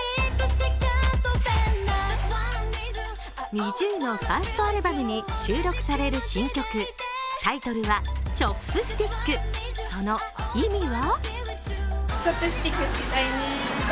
ＮｉｚｉＵのファーストアルバムに収録される新曲タイトルは「Ｃｈｏｐｓｔｉｃｋ」、その意味は？